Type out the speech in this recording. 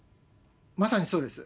まさにそうです。